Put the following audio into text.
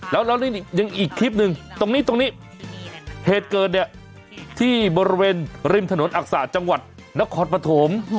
แล้วนี่ยังอีกคลิปหนึ่งตรงนี้ตรงนี้เหตุเกิดเนี่ยที่บริเวณริมถนนอักษาจังหวัดนครปฐม